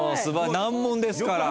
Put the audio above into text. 難問ですから。